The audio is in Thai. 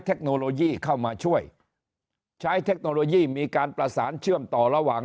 เทคโนโลยีเข้ามาช่วยใช้เทคโนโลยีมีการประสานเชื่อมต่อระหว่าง